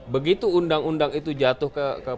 begitu undang undang itu jatuh ke